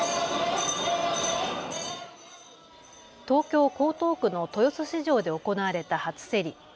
東京江東区の豊洲市場で行われた初競り。